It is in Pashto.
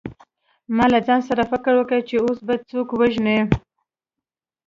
ما له ځان سره فکر وکړ چې اوس به څوک وژنې